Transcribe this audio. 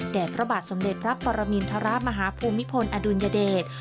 พระบาทสมเด็จพระปรมินทรมาฮภูมิพลอดุลยเดช